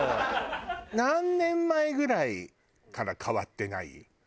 何年前ぐらいから変わってない？